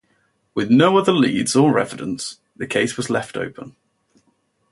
With no other leads or evidence, the case was left open.